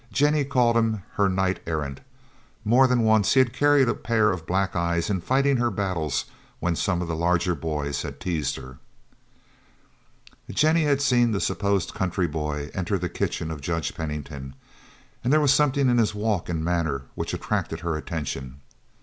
Jennie called him her knight errant. More than once he had carried a pair of black eyes in fighting her battles when some of the larger boys had teased her. Jennie had seen the supposed country boy enter the kitchen of Judge Pennington, and there was something in his walk and manner which attracted her attention.